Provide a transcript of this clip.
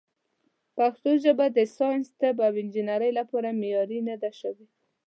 پښتو ژبه د ساینس، طب، او انجنیرۍ لپاره معیاري نه ده شوې.